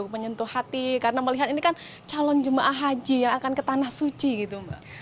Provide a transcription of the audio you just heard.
menyentuh hati karena melihat ini kan calon jemaah haji yang akan ke tanah suci gitu mbak